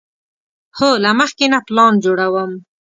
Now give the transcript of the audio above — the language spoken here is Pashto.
هو، له مخکې نه پلان جوړوم